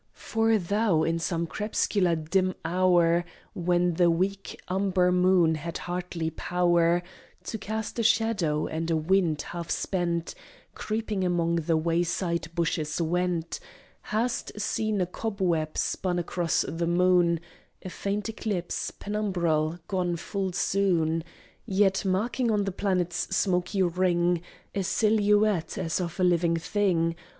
For thou, in some crepscular dim hour, When the weak umber moon had hardly power To cast a shadow, and a wind, half spent, Creeping among the way side bushes went, Hast seen a cobweb spun across the moon, A faint eclipse, penumbral, gone full soon, Yet marking on the planet's smoky ring A silhouette as of a living thing.